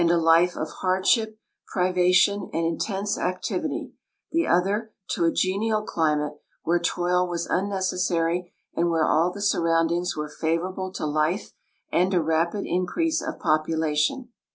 AFRICA SINCE 1S88 163 life of hardship, privation, and intense activit3^ the other to a genial climate, where toil was unnecessary and where all the surroundings were favorable to life and a rapid increase of popu lation.